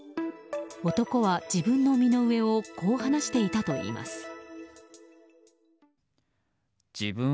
男は自分の身の上をこう話していたといいます。